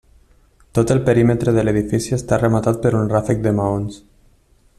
Tot el perímetre de l'edifici està rematat per un ràfec de maons.